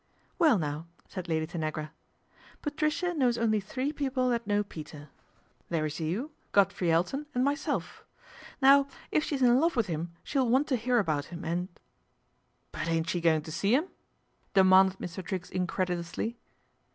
" Well, now," said Lady Tanagra. " Patricia knows only three people that know Peter. There 212 PATRICIA BRENT, SPINSTER is you, Godfrey Elton, and myself. Now if she's in love with him she will want to hear about him, and "" But ain't she going to see 'im ?" demanded Mr. Triggs incredulously.